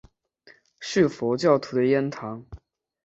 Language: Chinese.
是佛教徒的庵堂。